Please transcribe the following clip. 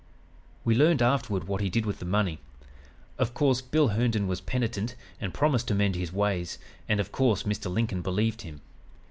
"We learned afterward what he did with the money. Of course, Bill Herndon was penitent and promised to mend his ways, and, of course, Mr. Lincoln believed him.